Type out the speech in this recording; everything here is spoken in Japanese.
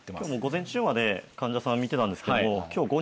今日も午前中まで患者さんを診てたんですけど。